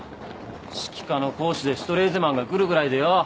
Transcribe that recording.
指揮科の講師でシュトレーゼマンが来るぐらいでよ。